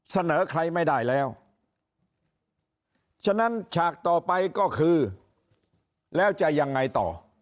เสนอใครไม่ได้แล้วฉะนั้นฉากต่อไปก็คือแล้วจะยังไงต่อ